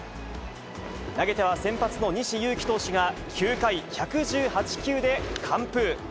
投げては先発の西勇輝投手が、９回１１８球で完封。